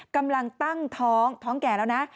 กำลังตั้งท้องท้องแก่แล้วนะ